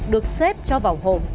được xếp cho vào hộp